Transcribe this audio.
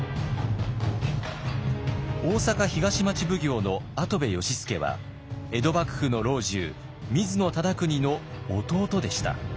大坂東町奉行の跡部良弼は江戸幕府の老中水野忠邦の弟でした。